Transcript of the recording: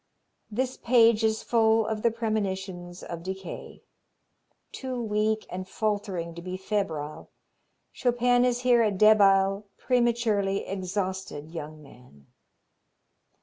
This page is full of the premonitions of decay. Too weak and faltering to be febrile, Chopin is here a debile, prematurely exhausted young man.